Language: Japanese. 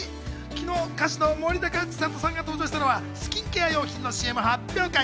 昨日、歌手の森高千里さんが登場したのはスキンケア用品のＣＭ発表会。